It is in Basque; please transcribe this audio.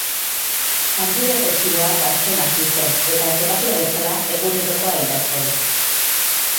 Antidepresiboak hartzen hasi zen, eta terapia bezala egunerokoa idazten.